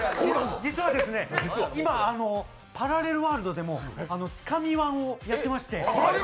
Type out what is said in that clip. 実はですね、今、パラレルワールドでも、つかみ−１をやってまして。